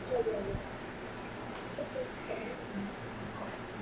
Top Heatseekers.